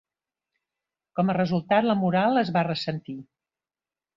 Com a resultat, la moral es va ressentir.